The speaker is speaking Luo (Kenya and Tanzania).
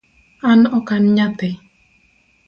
An ok an nyathi